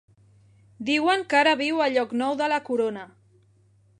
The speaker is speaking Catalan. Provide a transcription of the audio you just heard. Diuen que ara viu a Llocnou de la Corona.